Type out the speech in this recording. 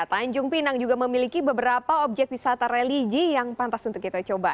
tanjung pinang juga memiliki beberapa objek wisata religi yang pantas untuk kita coba